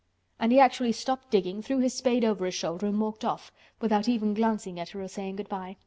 And he actually stopped digging, threw his spade over his shoulder and walked off, without even glancing at her or saying good by.